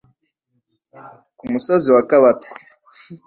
ku musozi wa Kabatwa